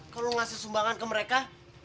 kalo lo ngasih sumbangan ke mereka